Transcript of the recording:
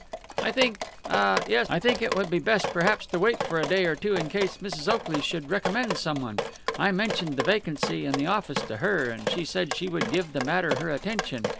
"I think ah, yes. I think it would be best perhaps to wait for a day or two in case Mrs. Oakley should recommend someone. I mentioned the vacancy in the office to her, and she said she would give the matter her attention.